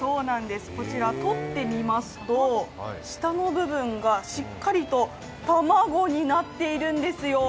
こちら取ってみますと下の部分がしっかりと卵になっているんですよ。